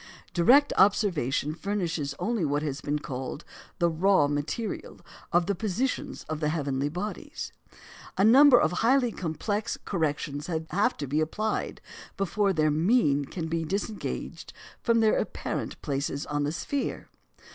Direct observation furnishes only what has been called the "raw material" of the positions of the heavenly bodies. A number of highly complex corrections have to be applied before their mean can be disengaged from their apparent places on the sphere.